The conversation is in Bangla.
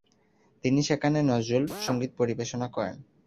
তিনি সেখানে নজরুল সঙ্গীত পরিবেশনা করেন।